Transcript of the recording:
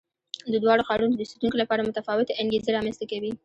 د دواړو ښارونو د اوسېدونکو لپاره متفاوتې انګېزې رامنځته کوي.